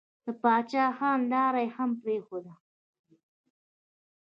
د پاچا خان لاره يې هم پرېښوده.